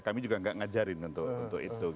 kami juga nggak ngajarin untuk itu